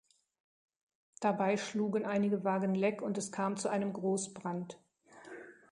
Dabei schlugen einige Wagen Leck und es kam zu einem Grossbrand.